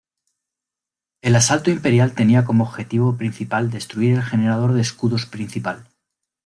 El asalto imperial tenía como objetivo principal destruir el generador de escudos principal.